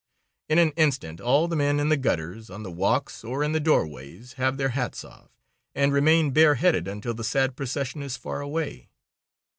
In an instant all the men in the gutters, on the walks, or in the doorways, have their hats off, and remain bare headed until the sad procession is far away.